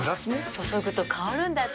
注ぐと香るんだって。